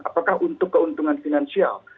apakah untuk keuntungan finansial